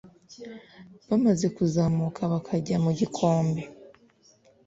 Bamaze kuzamuka bakajya mu gikombe